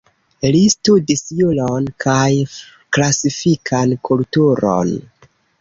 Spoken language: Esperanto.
Li studis juron, kaj klasikan kulturon.